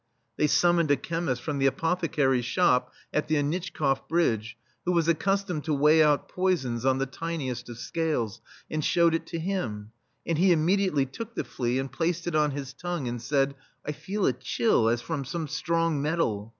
They summoned a chemist from the apothecary's shop at the AnitchkofF Bridge, who was accustomed to weigh out poisons on the tiniest of scales, and showed it to him; and he immediately took the flea, and placed it on his tongue, and said: "I feel a chill, as from some strong metal."